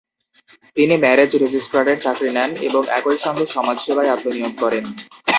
তিনি ম্যারেজ রেজিস্ট্রারের চাকরি নেন এবং একই সঙ্গে সমাজসেবায় আত্মনিয়োগ করেন।